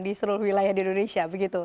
di seluruh wilayah di indonesia